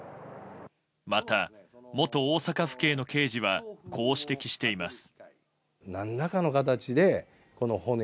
また、元大阪府警の刑事はこう指摘しています。